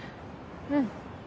うん。